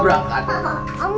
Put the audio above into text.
dari atas lagi